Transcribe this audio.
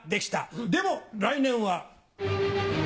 でも来年は。